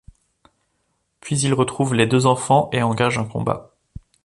Puis il retrouve les deux enfants et engage un combat.